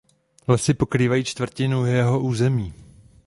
Lesy pokrývají čtvrtinu jeho území.